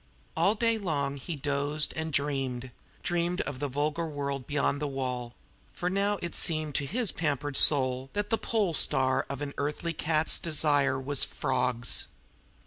All day long he dozed and dreamed dreamed of the vulgar world beyond the wall for now it seemed to his pampered soul that the pole star of an earthly cat's desire was "frawgs."